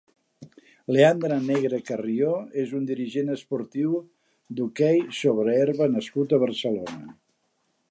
Leandre Negre Carrió és un dirigent esportiu d'hoquei sobre herba nascut a Barcelona.